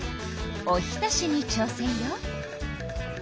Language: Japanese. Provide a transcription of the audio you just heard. おひたしにちょう戦よ。